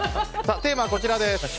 テーマはこちら。